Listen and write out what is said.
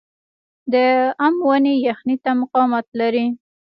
د ام ونې یخنۍ ته مقاومت لري؟